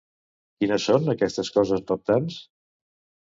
Quines són, aquestes coses reptants?